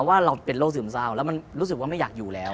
ว่าเราเป็นโรคซึมเศร้าแล้วมันรู้สึกว่าไม่อยากอยู่แล้ว